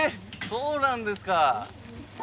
そうなんですか。